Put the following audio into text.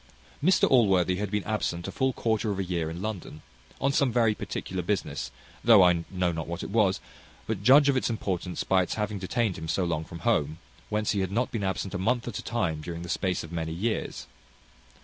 Mr Allworthy had been absent a full quarter of a year in London, on some very particular business, though I know not what it was; but judge of its importance by its having detained him so long from home, whence he had not been absent a month at a time during the space of many years.